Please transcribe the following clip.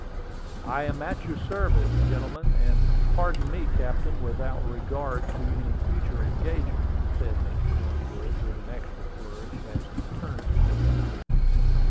"I am at your service, gentlemen; and, pardon me, captain, without regard to any future engagement," said Mr. Cornwood, with an extra flourish, as he turned to me.